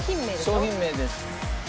商品名です。